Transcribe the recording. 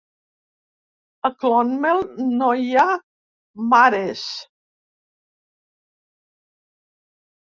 A Clonmel no hi ha mares.